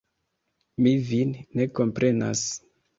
Mi vin ne komprenas!